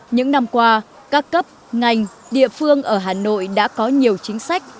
những năm qua các cấp ngành địa phương ở hà nội đã có nhiều chính sách